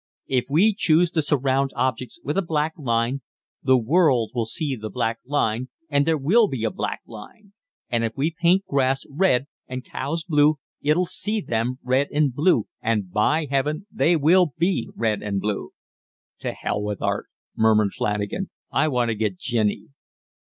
If we choose to surround objects with a black line, the world will see the black line, and there will be a black line; and if we paint grass red and cows blue, it'll see them red and blue, and, by Heaven, they will be red and blue." "To hell with art," murmured Flanagan. "I want to get ginny."